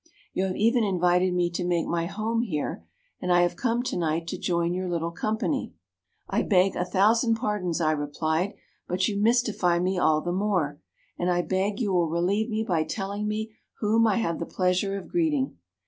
You have even invited me to make my home here; and I have come tonight to join your little company.' "'I beg a thousand pardons,' I replied, 'but you mystify me all the more, and I beg you will relieve me by telling me whom I have the pleasure of greeting.'